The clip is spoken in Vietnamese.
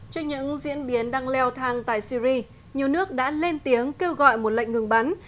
trên những diễn biến đang leo thang tại syri nhiều nước đã lên tiếng kêu gọi một lệnh ngừng bắn